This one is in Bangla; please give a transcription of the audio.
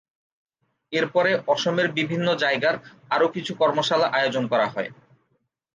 এর পরে অসমের বিভিন্ন জায়গার আরও কিছু কর্মশালা আয়োজন করা হয়ে।